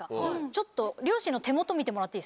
ちょっと両親の手元見てもらっていいですか？